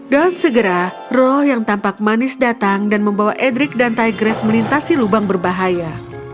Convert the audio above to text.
dan segera roh yang tampak manis datang dan membawa edric dan tigress melintasi lubang berbahaya